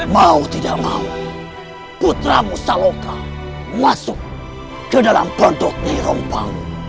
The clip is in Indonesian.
mau tidak mau putra musa lokal masuk ke dalam produk nyai rongkang